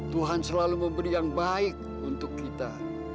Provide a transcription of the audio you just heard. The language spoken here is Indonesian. tuhan selalu memberi yang baik untuk kita